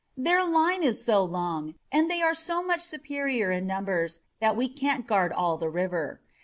Their line is so long and they are so much superior in numbers that we can't guard all the river.